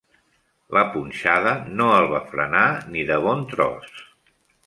La punxada no el va frenar ni de bon tros.